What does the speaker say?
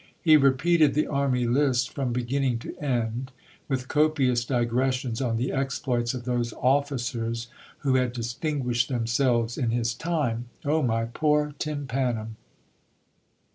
He repeated the army list from beginning to end, with copious digressions on the exploits of those officers who had distinguished themselves in his time. Oh my poor tym panum